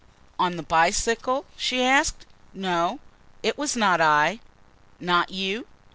On the bicycle?" she asked. "No, it was not I." "Not you?"